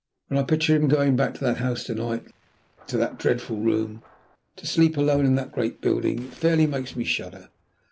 When I picture him going back to that house to night, to that dreadful room, to sleep alone in that great building, it fairly makes me shudder.